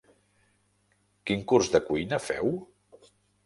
Quin curs de cuina feu?